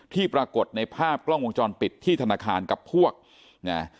ปรากฏในภาพกล้องวงจรปิดที่ธนาคารกับพวกนะ